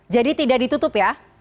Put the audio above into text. jadi tidak ditutup ya